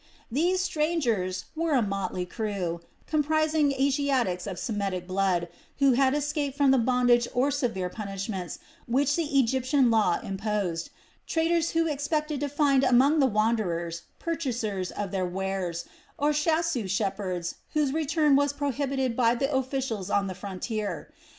These "strangers" were a motley crew, comprising Asiatics of Semitic blood, who had escaped from the bondage or severe punishments which the Egyptian law imposed, traders who expected to find among the wanderers purchasers of their wares, or Shasu shepherds, whose return was prohibited by the officials on the frontier.